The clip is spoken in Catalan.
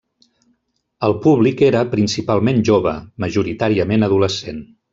El públic era principalment jove, majoritàriament adolescent.